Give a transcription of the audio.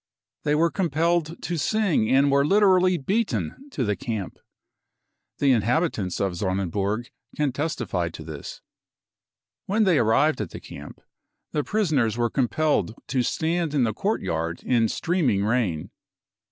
They were compelled to sing and were literally beaten to the camp. The inhabitants of Sonnenburg can testify to this. When they arrived at the camp, the prisoners were compelled to stand in the courtyard in streaming rain.